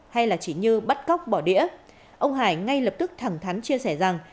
hay là chỉ như bắt cóc bỏ đĩa ông hải ngay lập tức thẳng thắn chia sẻ rằng